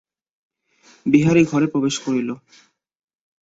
বিহারী ঘরে প্রবেশ করিল।